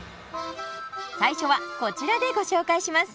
最初はこちらでご紹介します。